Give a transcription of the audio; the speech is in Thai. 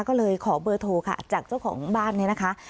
ก็เลยขอเบอร์โทรค่ะจากเจ้าของบ้านเนี่ยนะคะ